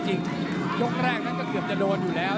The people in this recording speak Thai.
ยกแรกนั้นก็เกือบจะโดนอยู่แล้ว